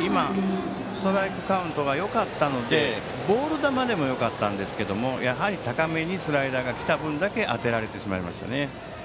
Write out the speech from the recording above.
今、ストライクカウントがよかったのでボール球でもよかったですがやはり高めにスライダーが来た分だけ当てられてしまいましたね。